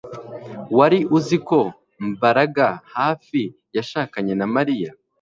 Wari uzi ko Mbaraga hafi yashakanye na Mariya